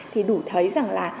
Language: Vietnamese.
thì đủ thấy rằng là